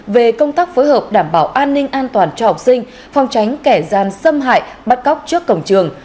về công tác phối hợp đảm bảo an ninh an toàn cho học sinh phòng tránh kẻ gian xâm hại bắt cóc trước cổng trường